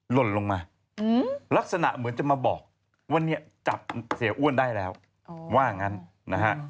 หล่นลงมาลักษณะเหมือนจะมาบอกว่าเนี่ยจับเสียอ้วนได้แล้วว่างั้นนะฮะ